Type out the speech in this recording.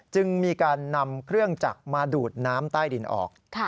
จึงมีการนำเครื่องจักรมาดูดน้ำใต้ดินออก